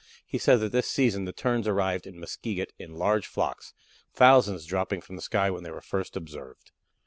He says that this season the Terns arrived at Muskeget in large flocks, thousands dropping from the sky when they were first observed.